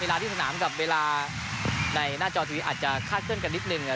ที่สนามกับเวลาในหน้าจอทีวีอาจจะคาดเคลื่อนกันนิดนึง